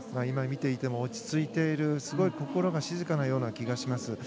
今見ていても落ち着いているすごい心が静かなような気がします。